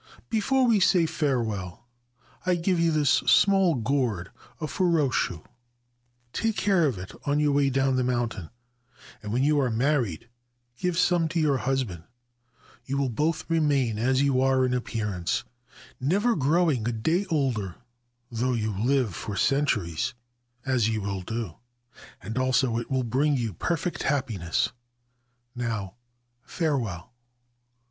Before we say farewell, I give you this small gourd of 181 Ancient Tales and Folklore of Japan furoshu.1 Take care of it on your way down the moun tain, and when you are married give some to your husband. You will both remain as you are in appearance, never growing a day older though you live for centuries, as you will do ; and also it will bring you perfect happiness. Now, farewell